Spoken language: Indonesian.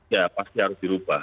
ya pasti harus dirubah